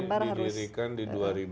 didirikan di dua ribu sebelas